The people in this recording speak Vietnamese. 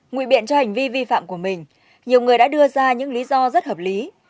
nguyện biện cho hành vi vi phạm của mình nhiều người đã đưa ra những lý do rất hợp lý